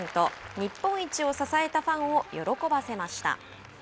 日本一を支えたファンを喜ばせました。